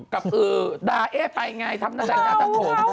กับดาเอ๊ไปไงทำหน้าใส่ดาทำผม